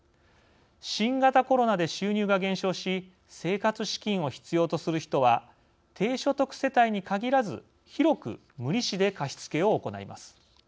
新型コロナで収入が減少し生活資金を必要とする人は低所得世帯に限らず広く無利子で貸付を行います。